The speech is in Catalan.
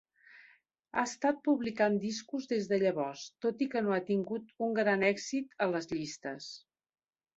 Ha estat publicant discos des de llavors, tot i que no ha tingut un gran èxit a les llistes.